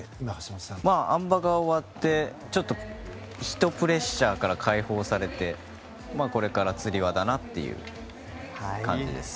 あん馬が終わってひとプレッシャーから解放されてこれからつり輪だなという感じです。